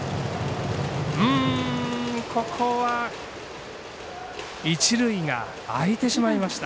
ここは一塁が空いてしまいました。